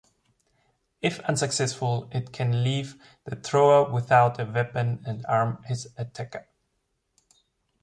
If unsuccessful, it can leave the thrower without a weapon and arm his attacker.